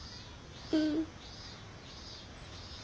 うん。